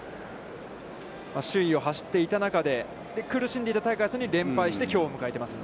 首位を走っていた中で、苦しんでいたタイガースに連敗してきょうを迎えてます。